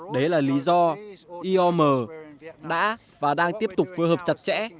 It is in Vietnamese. đấy là lý do iom đã và đang tiếp tục phù hợp chặt chẽ